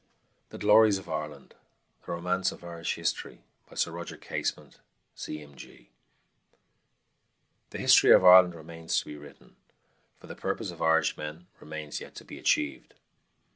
THE GLORIES OF IRELAND THE ROMANCE OF IRISH HISTORY By SIR ROGER CASEMENT, C.M.G. The history of Ireland remains to be written, for the purpose of Irishmen remains yet to be achieved.